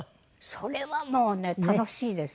それはもうね楽しいです。